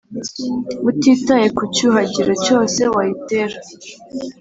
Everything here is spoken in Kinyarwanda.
utitaye ku cyuhagiro cyose wayitera.